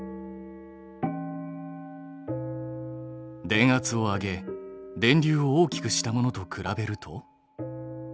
電圧を上げ電流を大きくしたものと比べると。